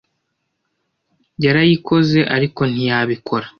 Yarayikoze, ariko ntiyabikora.